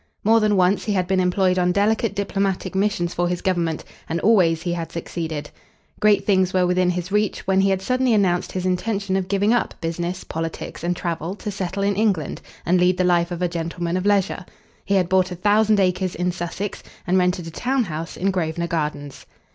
More than once he had been employed on delicate diplomatic missions for his Government, and always he had succeeded. Great things were within his reach when he had suddenly announced his intention of giving up business, politics and travel to settle in England and lead the life of a gentleman of leisure. He had bought a thousand acres in Sussex, and rented a town house in Grosvenor Gardens.